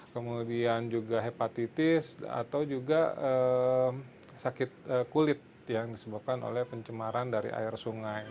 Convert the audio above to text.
kemudian juga hepatitis atau juga sakit kulit yang disebabkan oleh pencemaran dari air sungai